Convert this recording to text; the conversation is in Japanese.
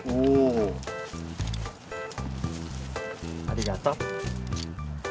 ありがとう。